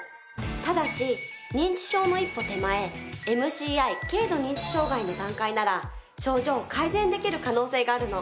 ただし認知症の一歩手前ＭＣＩ軽度認知障害の段階なら症状を改善できる可能性があるの。